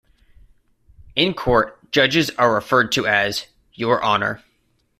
In court, judges are referred to as "Your Honour".